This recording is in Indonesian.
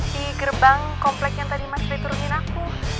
di gerbang komplek yang tadi mas pre turunin aku